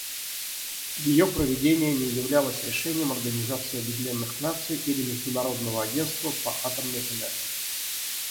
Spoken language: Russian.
Ее проведение не являлось решением Организации Объединенных Наций или Международного агентства по атомной энергии.